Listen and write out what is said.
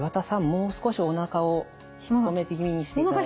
もう少しおなかを引っ込め気味にしていただいて。